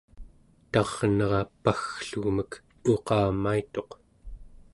tarnera pagglugmek uqamaituq